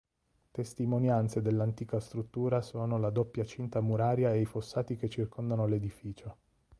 Testimonianze dell'antica struttura sono la doppia cinta muraria e i fossati che circondano l'edificio.